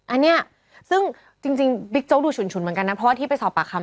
อันนี้ซึ่งจริงบิ๊กโจ๊กดูฉุนเหมือนกันนะเพราะว่าที่ไปสอบปากคำ